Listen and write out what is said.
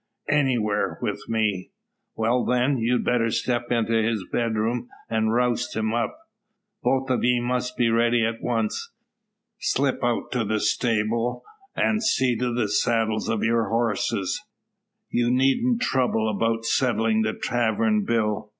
"Anywhere, with me." "Well, then, you'd better step into his bedroom, and roust him up. Both of ye must be ready at once. Slip out to the stable, an' see to the saddles of your horses. You needn't trouble about settlin' the tavern bill.